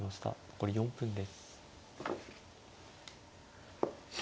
残り４分です。